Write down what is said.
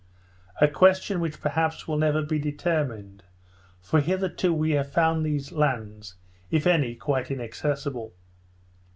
A question which perhaps will never be determined; for hitherto we have found these lands, if any, quite inaccessible.